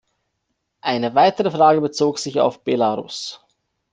Eine weitere Frage bezog sich auf Belarus.